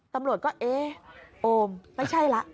ตำรวจก็เอ๊ะโอมไม่ใช่ละ